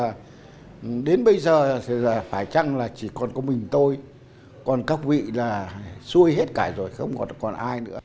và đến bây giờ phải chăng là chỉ còn có mình tôi còn các vị là xuôi hết cả rồi không còn ai nữa